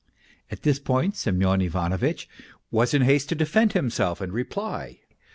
At this point Semyon Ivanovitch was in haste to defend himself and reply.